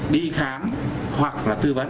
đi khám hoặc là tư vấn